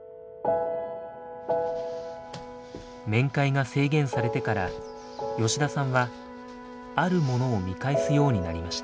面会が制限されてから吉田さんはあるものを見返すようになりました。